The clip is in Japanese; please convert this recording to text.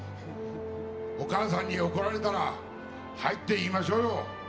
お母さんに怒られたらはいって言いましょうよ。